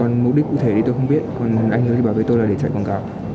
còn mục đích cụ thể thì tôi không biết còn anh ấy thì bảo vệ tôi là để chạy quảng cáo